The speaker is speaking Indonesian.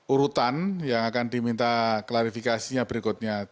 urutan yang akan diminta klarifikasinya berikutnya